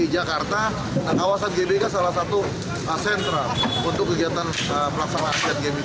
jakarta kawasan game ini kan salah satu asentral untuk kegiatan pelaksanaan asian game